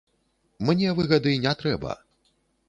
Мне выгады не трэба.